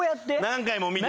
何回も見て。